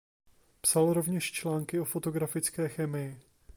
Psal rovněž články o fotografické chemii.